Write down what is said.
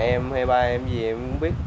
em hay ba em gì em cũng biết